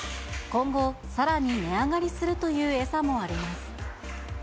今後、さらに値上がりするという餌もあります。